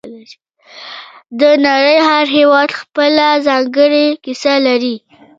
د نړۍ هر هېواد خپله ځانګړې کیسه لري